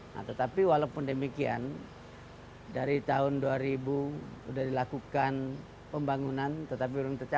nah tetapi walaupun demikian dari tahun dua ribu sudah dilakukan pembangunan tetapi belum tercapai